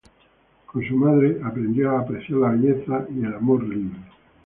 Con su madre, aprendió a apreciar la belleza y el amor libre.